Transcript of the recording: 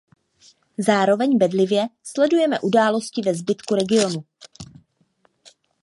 Zároveň bedlivě sledujeme události ve zbytku regionu.